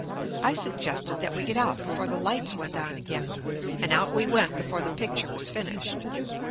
I suggested that we get out before the lights went on again, and out we went before the picture was finished.